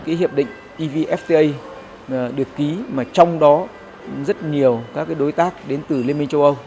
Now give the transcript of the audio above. cái hiệp định evfta được ký mà trong đó rất nhiều các đối tác đến từ liên minh châu âu